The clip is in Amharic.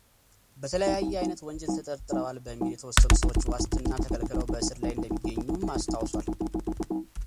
በተለያየ ዓይነት ወንጀል ተጠርጥረዋል በሚል የተወሰኑ ሰዎች ዋስትና ተከልክለው በእስር ላይ እንደሚገኙም አስታውሷል።